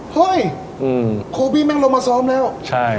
เฮ้ยโคบี้แม่งลงมาซ้อมแล้วใช่